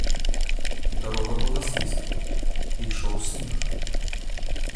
Дарога была слізкай, ішоў снег.